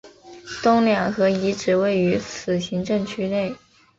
东两河遗址位于此行政区内。